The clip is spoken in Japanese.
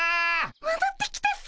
もどってきたっピ。